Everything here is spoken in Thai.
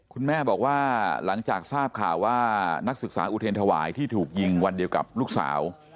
คุณแม่บอกว่าหลังจากทราบข่าวว่านักศึกษาอุเทรนธวายที่ถูกยิงวันเดียวกับลูกสาว